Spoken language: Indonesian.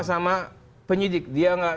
sama penyidik dia tidak